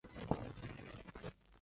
是著名的旅游景点。